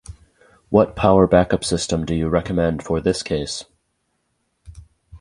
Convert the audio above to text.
What power backup system do you recommend for this case?